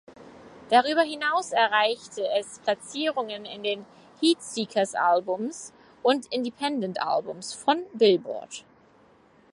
Darüber hinaus erreichte es Platzierungen in den "Heatseekers Albums" und "Independent Albums" von Billboard.